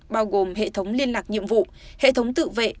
bao gồm hệ thống liên lạc nhiệm vụ hệ thống tự vệ